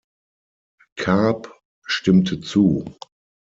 Kaʿb stimmte zu.